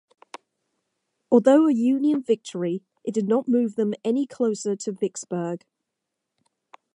Although a Union victory, it did not move them any closer to Vicksburg.